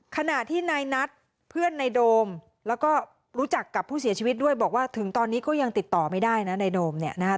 ขณะที่นายนัทเพื่อนนายโดมแล้วก็รู้จักกับผู้เสียชีวิตด้วยบอกว่าถึงตอนนี้ก็ยังติดต่อไม่ได้นะนายโดมเนี่ยนะคะ